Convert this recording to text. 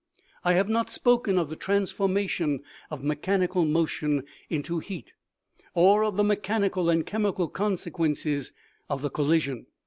" I have not spoken of the transformation of mechanical motion into heat, or of the mechanical and chemical con sequences of the collision.